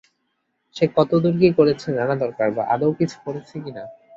সে কতদূর কি করেছে জানা দরকার, বা আদৌ কিছু করেছে কি না।